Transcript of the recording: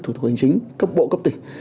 thủ tục hành chính cấp bộ cấp tỉnh